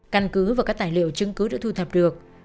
căn cứ và các tài liệu chứng cứ đã thu thập được